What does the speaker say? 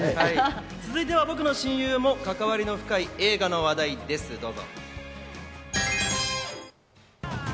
続いては僕の親友も関わりの深い映画の話題です、どうぞ！